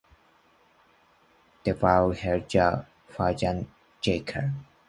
d ヴぁ h じゃ fh じゃ g か」